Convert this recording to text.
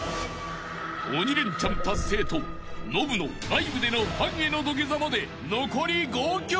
［鬼レンチャン達成とノブのライブでのファンへの土下座まで残り５曲］